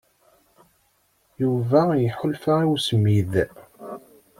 Yuba iḥulfa i usemmid.